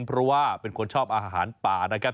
เพราะว่าเป็นคนชอบอาหารป่านะครับ